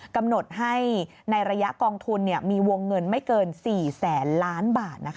กำหนดให้ในระยะกองทุนมีวงเงินไม่เกิน๔แสนล้านบาท